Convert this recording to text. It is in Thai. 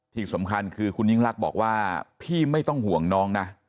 ที่สำคัญคือคุณยิ่งลักษณ์บอกว่าพี่ไม่ต้องห่วงน้องนะ